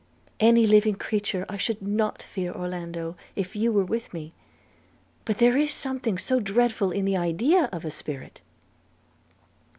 'Any living creature I should not fear, Orlando, if you were with me; but there is something so dreadful in the idea of a spirit!'